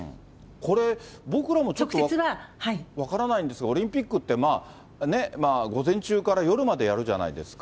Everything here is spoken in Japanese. これ、僕らもちょっと分からないんですが、オリンピックって午前中から夜までやるじゃないですか。